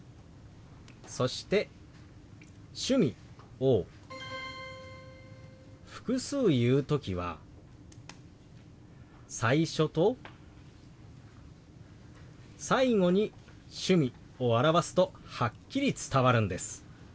そして「趣味」を複数言う時は最初と最後に「趣味」を表すとはっきり伝わるんです。